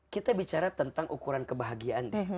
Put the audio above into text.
kita bicara tentang ukuran kebahagiaan